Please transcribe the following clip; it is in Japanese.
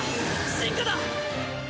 進化だ！